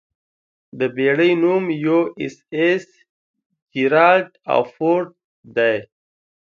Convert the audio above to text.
د بېړۍ نوم 'یواېساېس جېرالډ ار فورډ' دی.